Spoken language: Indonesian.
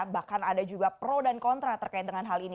bahkan ada juga pro dan kontra terkait dengan hal ini